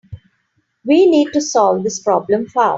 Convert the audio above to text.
We need to solve this problem fast.